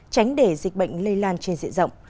tránh để dịch bệnh lây lan trên dịa rộng